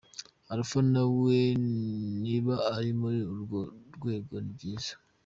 Alpha nawe niba ari muri urwo rwego ni byiza.